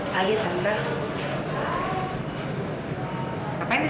pasti tak ini